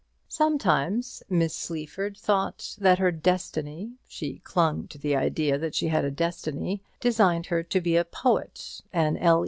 Sometimes Miss Sleaford thought that her Destiny she clung to the idea that she had a destiny designed her to be a poet, an L.